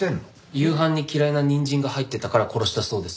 夕飯に嫌いな人参が入ってたから殺したそうです。